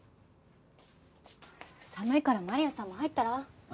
寒いからマリアさんも入ったら？